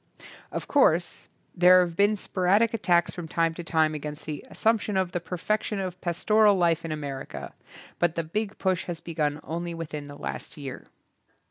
Of course, there have been sporadic attacks from time to time against the assumption of the perfection of pas toral life in America, but the big push has begun only within the last year.